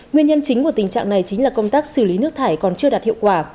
nguyên nhân chính của tình trạng này chính là công tác xử lý nước thải còn chưa đạt hiệu quả